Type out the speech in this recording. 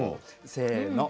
せの。